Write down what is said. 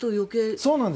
そうなんです。